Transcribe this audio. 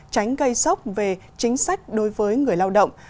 tránh gây sốc về chính sách đối với người lao động